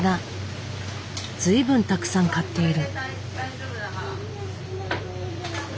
随分たくさん買っている。